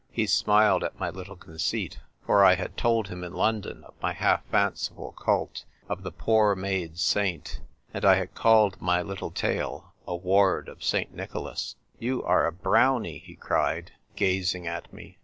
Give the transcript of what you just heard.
He smiled at my little conceit, for I had told him in London of my half fanciful cult of the poor maids' saint, and I had called my little tale "A Ward of St. Nicholas." " You are a brownie !" he cried, gazing at me.